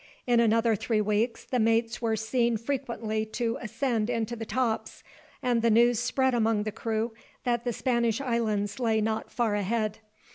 In another three weeks, the mates were seen frequently to ascend into the tops, and the news spread among the crew that the Spanish islands lay not far ahead.